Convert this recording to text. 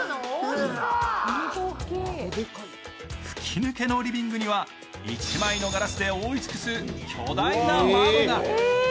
吹き抜けのリビングには１枚のガラスで覆い尽くす巨大な窓が。